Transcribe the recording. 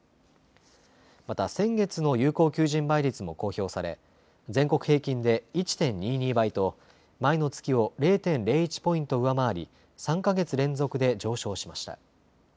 また先月の有効求人倍率も公表され全国平均で１．２２倍と前の月を０．０１ポイント上回り３か月連続で上昇しました。